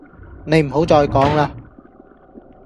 你唔好再講啦